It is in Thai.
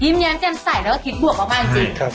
แย้มแจ่มใสแล้วก็คิดบวกมากจริง